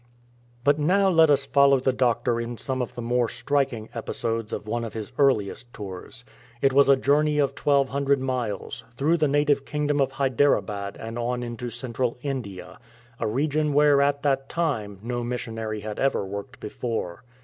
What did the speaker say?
But now let us follow the doctor in some of the more striking episodes of one of his earliest tours. It was a journey of 1200 miles, through the native kingdom of Hyderabad and on into Central India — a region where at that time no missionary had ever worked before.